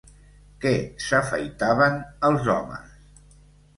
Què s'afaitaven els homes?